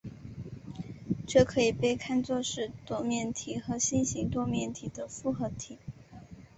这可以被看作是多面体和星形多面体的复合体。